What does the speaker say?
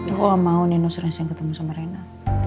aku gak mau nino sering sering ketemu sama rena